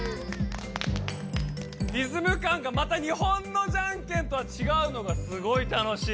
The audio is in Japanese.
リズムかんがまた日本のじゃんけんとはちがうのがすごい楽しい。